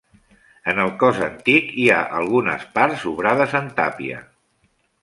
En el cos antic hi ha algunes parts obrades en tàpia.